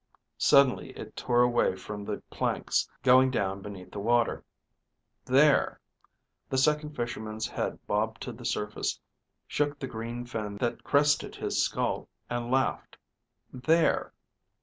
_) Suddenly it tore away from the planks, going down beneath the water. (There....) The Second Fisherman's head bobbed to the surface, shook the green fin that crested his skull, and laughed. (_There....